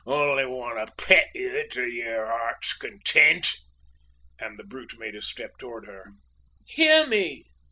only want to pet you to your heart's content;" and the brute made a step toward her. "Hear me!"